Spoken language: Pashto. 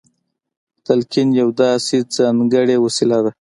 تلقين يوه داسې ځانګړې وسيله ده.